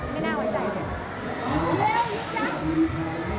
ไม่น่าไว้ใจ